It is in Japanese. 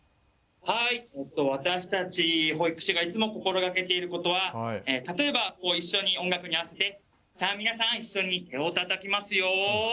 はい私たち保育士がいつも心がけていることは例えば一緒に音楽に合わせて「さあ皆さん一緒に手をたたきますよ。